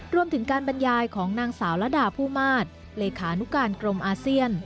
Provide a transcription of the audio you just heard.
รวมถึงการบรรยายของนางสาวละดาผู้มาศเลขานุการกรมอาเซียน